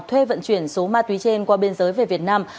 thuê vận chuyển số ma túy trên qua biên giới về việt nam